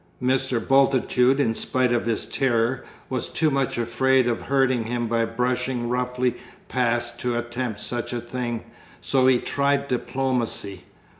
Mr. Bultitude, in spite of his terror, was too much afraid of hurting him by brushing roughly past to attempt such a thing, so he tried diplomacy.